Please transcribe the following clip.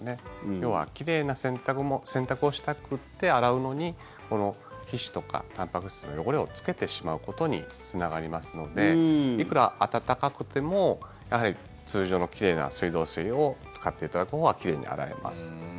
要は奇麗な洗濯をしたくて洗うのにこの皮脂とかたんぱく質の汚れをつけてしまうことにつながりますのでいくら温かくてもやはり通常の奇麗な水道水を使っていただくほうが奇麗に洗えます。